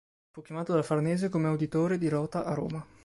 Fu chiamato dal Farnese come Auditore di Rota a Roma.